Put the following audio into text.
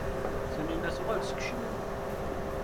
Tanina tuɣal-d seg Ccinwa.